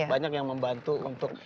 banyak yang membantu untuk